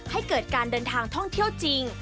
ให้เกิดการเดินทางท่องเที่ยวจริง